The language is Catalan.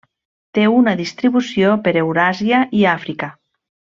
Té una distribució per Euràsia i Àfrica.